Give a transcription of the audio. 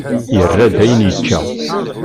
Yerra-d ayen i yečča.